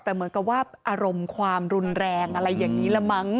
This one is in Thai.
แต่เหมือนกับว่าอารมณ์ความรุนแรงอะไรอย่างนี้ละมั้ง